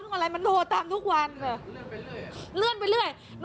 ทำที่นะคือร้านเธออยู่ถนนคนเดินสะพานมิตรภาพไทรลาวนะ